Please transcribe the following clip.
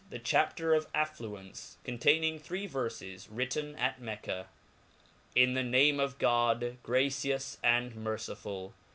The Chapter of ^Affluence, containing three Verfes , wrkten at Mecca. JN the name of God.gracious and mcrcifull.